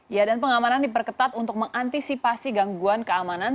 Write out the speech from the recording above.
ya dan pengamanan diperketat untuk mengantisipasi gangguan keamanan